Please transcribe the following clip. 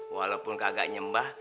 walaupun kagak nyembah